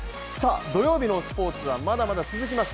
土曜日のスポーツはまだまだ続きます。